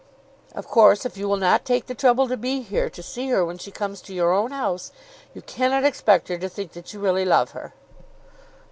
"Of course if you will not take the trouble to be here to see her when she comes to your own house, you cannot expect her to think that you really love her."